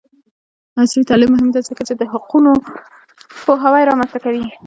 عصري تعلیم مهم دی ځکه چې د حقونو پوهاوی رامنځته کوي.